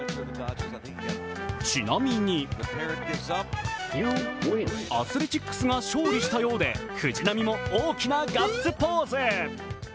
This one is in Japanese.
ちなみに、アスレチックスが勝利したようで、藤浪も大きなガッツポーズ。